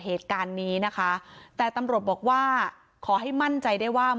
เหตุการณ์นี้นะคะแต่ตำรวจบอกว่าขอให้มั่นใจได้ว่า